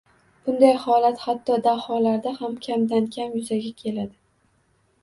Bunday holat hatto daholarda ham kamdan kam yuzaga keladi